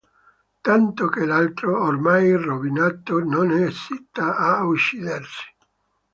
Tanto che l'altro, ormai rovinato, non esita a uccidersi.